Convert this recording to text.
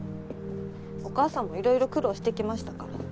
お母さんもいろいろ苦労してきましたから。